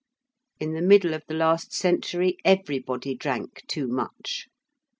In the middle of the last century, everybody drank too much.